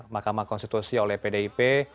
makamah konstitusi oleh pdip